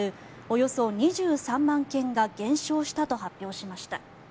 およそ２３万件が減少したと発表しました。